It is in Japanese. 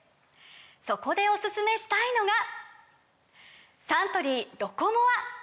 そこでおすすめしたいのがサントリー「ロコモア」！